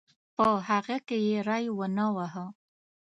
په هغه کې یې ری ونه واهه.